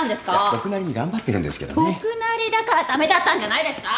僕なりだから駄目だったんじゃないですか！？